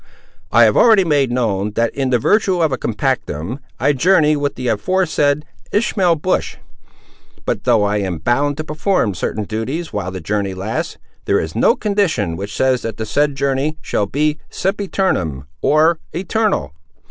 I have already made known that, in virtue of a compactum, I journey with the aforesaid Ishmael Bush; but though I am bound to perform certain duties while the journey lasts, there is no condition which says that the said journey shall be sempiternum, or eternal.